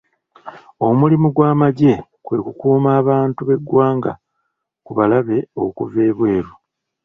Omulimu gw'amagye kwe kukuuma abantu b'eggwanga ku balabe okuva ebweru.